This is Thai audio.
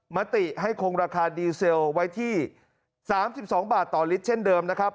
มติให้คงราคาดีเซลไว้ที่๓๒บาทต่อลิตรเช่นเดิมนะครับ